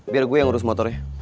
biar gue yang ngurus motornya